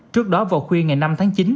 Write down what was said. trước đó vào khuya ngày năm tháng chín